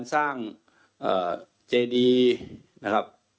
มีพฤติกรรมเสพเมถุนกัน